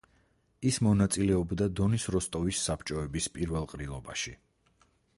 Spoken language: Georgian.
ის მონაწილეობდა დონის როსტოვის საბჭოების პირველ ყრილობაში.